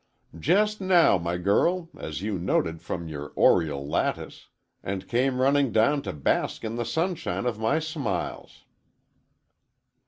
"Just now, my girl, as you noted from your oriel lattice,—and came running down to bask in the sunshine of my smiles."